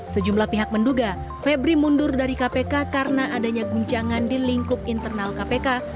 sejumlah pihak menduga febri mundur dari kpk karena adanya guncangan di lingkup internal kpk